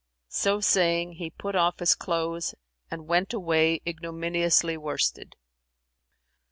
So saying, he put off his clothes and went away ignominiously worsted.